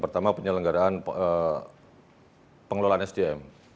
pertama penyelenggaran pengelolaan sdm